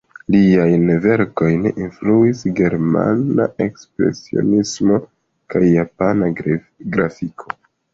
Liajn verkojn influis germana ekspresionismo kaj japana grafiko.